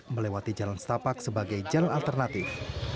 melewati jalan setapak sebagai jalan alternatif